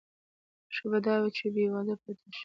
ښه به دا وي چې بې واده پاتې شي.